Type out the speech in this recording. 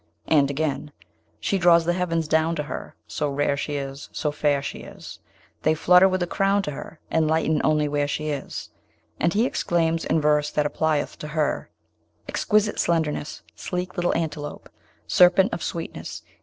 And again: She draws the heavens down to her, So rare she is, so fair she is; They flutter with a crown to her, And lighten only where she is. And he exclaims, in verse that applieth to her: Exquisite slenderness! Sleek little antelope! Serpent of sweetness!